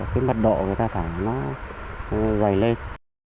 cái mặt độ người ta thấy nó dày lên